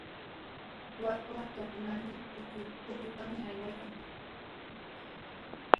Waaka yakunarqa pukyupami aywan.